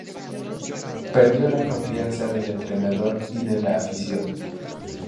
Perdió la confianza del entrenador y de la afición.